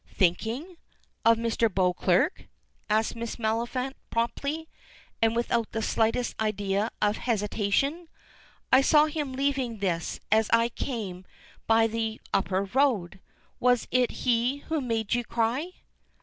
"Thinking? Of Mr. Beauclerk?" asks Miss Maliphant, promptly, and without the slightest idea of hesitation. "I saw him leaving this as I came by the upper road! Was it he who made you cry?"